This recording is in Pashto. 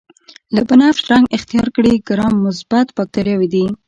که بنفش رنګ اختیار کړي ګرام مثبت باکتریاوې دي.